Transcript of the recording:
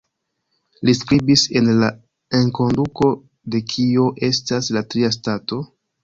Li skribis en la enkonduko de "Kio estas la Tria Stato?